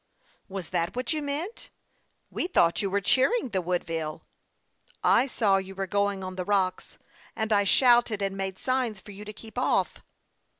" Was that what you meant ? We thought you were cheering the Woodville." " I saw you were going on the rocks, and I shouted and made signs for you to keep off."